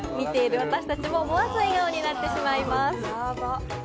見ている私達まで思わず笑顔になってしまいます。